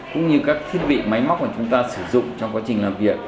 cũng như các thiết bị máy móc mà chúng ta sử dụng trong quá trình làm việc